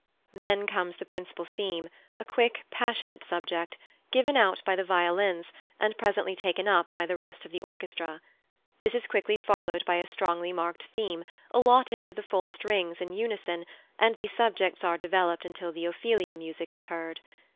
Then comes the principal theme, a quick, passionate subject, given out by the violins, and presently taken up by the rest of the orchestra. This is quickly followed by a strongly marked theme, allotted to the full strings in unison, and these subjects are developed until the Ophelia music is heard.